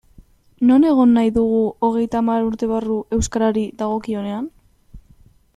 Non egon nahi dugu hogeita hamar urte barru euskarari dagokionean?